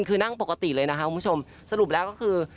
คุณผู้ชมสรุปแล้วก็คือ